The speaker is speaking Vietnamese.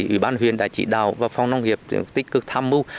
ủy ban huyện đã chỉ đạo và phòng nông nghiệp tích cực tham mưu